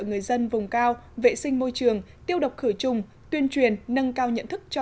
người dân vùng cao vệ sinh môi trường tiêu độc khử trùng tuyên truyền nâng cao nhận thức cho